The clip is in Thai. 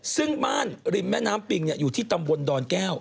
ซึ่งบ้านริมแม่น้ำปิงอยู่ที่ตำบลดอนแก้ว